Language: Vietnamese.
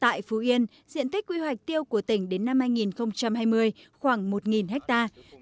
tại phú yên diện tích quy hoạch tiêu của tỉnh đến năm hai nghìn hai mươi khoảng một hectare